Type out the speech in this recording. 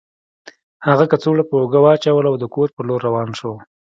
هغه کڅوړه په اوږه واچوله او د کور په لور روان شو